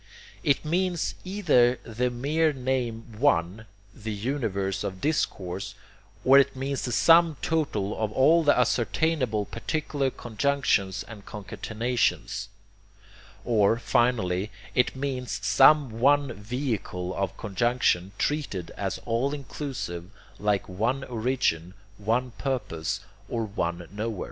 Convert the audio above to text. It means either the mere name One, the universe of discourse; or it means the sum total of all the ascertainable particular conjunctions and concatenations; or, finally, it means some one vehicle of conjunction treated as all inclusive, like one origin, one purpose, or one knower.